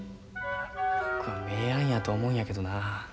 僕は名案やと思うんやけどな。